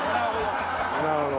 なるほど。